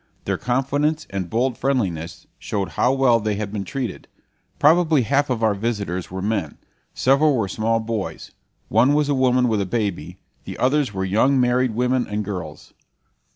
Their confidence and bold friendliness showed how well they had been treated. Probably half of our visitors were men; several were small boys; one was a woman with a baby; the others were young married women and girls.